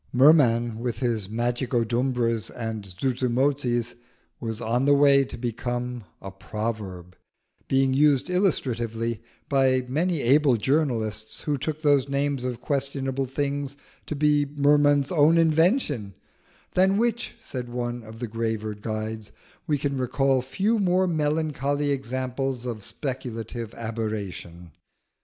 Merman with his Magicodumbras and Zuzumotzis was on the way to become a proverb, being used illustratively by many able journalists who took those names of questionable things to be Merman's own invention, "than which," said one of the graver guides, "we can recall few more melancholy examples of speculative aberration."